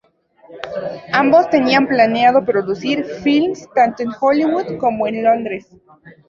Ambos tenían planeado producir films tanto en Hollywood como en Londres.